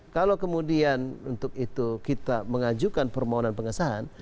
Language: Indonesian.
kalau kemudian untuk itu kita mengajukan permohonan pengesahan